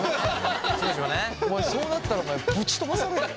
お前そうなったらぶち飛ばされるよ。